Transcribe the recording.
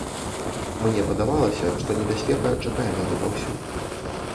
Мне падавалася, што небяспека чакае мяне паўсюль.